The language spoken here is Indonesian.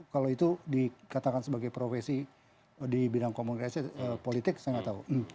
kalau itu dikatakan sebagai profesi di bidang komunikasi politik saya nggak tahu